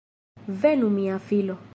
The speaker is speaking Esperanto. Venu mia filo!